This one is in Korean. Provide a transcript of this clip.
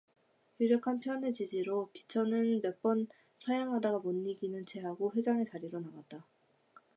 유력한 편의 지지로 기천은 몇 번 사양하다가 못 이기는 체하고 회장의 자리로 나갔다.